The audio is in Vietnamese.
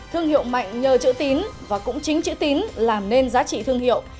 thương hiệu mạnh nhờ chữ tín và cũng chính chữ tín làm nên giá trị thương hiệu